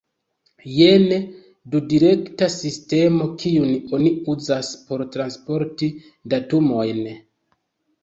Jen dudirekta sistemo, kiun oni uzas por transporti datumojn.